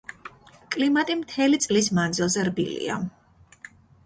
კლიმატი მთელი წლის მანძილზე რბილია.